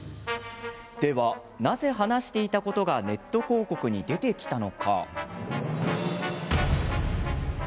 では、なぜ話していたことがネット広告に出てきたのか。